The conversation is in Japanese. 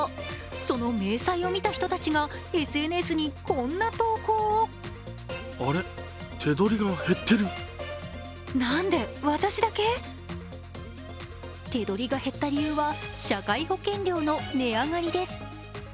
その明細を見た人たちがＳＮＳにこんな投稿を手取りが減った理由は社会保険料の値上がりです。